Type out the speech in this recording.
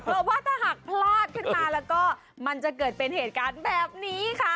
เพราะว่าถ้าหากพลาดขึ้นมาแล้วก็มันจะเกิดเป็นเหตุการณ์แบบนี้ค่ะ